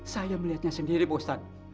saya melihatnya sendiri bosan